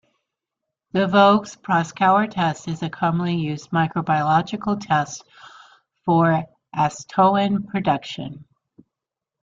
The Voges-Proskauer test is a commonly used microbiological test for acetoin production.